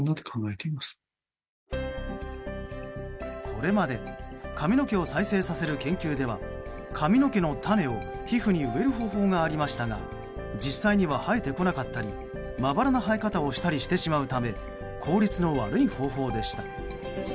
これまで髪の毛を再生させる研究では髪の毛の種を皮膚に植える方法がありましたが実際には生えてこなかったりまばらな生え方をしたりしてしまうため効率の悪い方法でした。